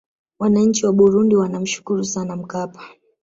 wananchi wa burundi wanamshukuru sana mkapa